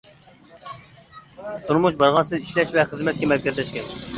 تۇرمۇش بارغانسېرى ئىشلەش ۋە خىزمەتكە مەركەزلەشكەن.